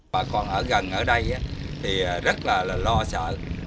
bà con ở gần ở đây thì rất là lo sợ